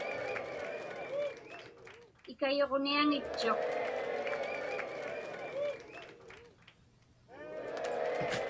Ikayuġniaŋitchuq.